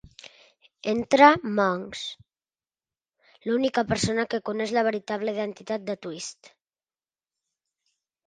Entra Monks - l'única persona que coneix la veritable identitat de Twist.